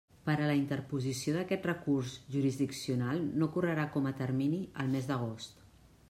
Per a la interposició d'aquest recurs jurisdiccional no correrà com a termini el mes d'agost.